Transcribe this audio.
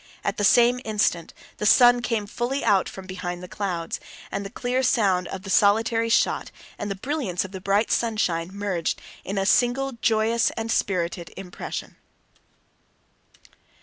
At the same instant the sun came fully out from behind the clouds, and the clear sound of the solitary shot and the brilliance of the bright sunshine merged in a single joyous and spirited impression.